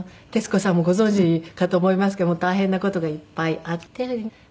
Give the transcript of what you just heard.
徹子さんもご存じかと思いますけども大変な事がいっぱいあって。